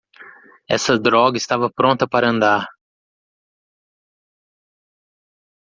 Esta droga estava pronta para andar.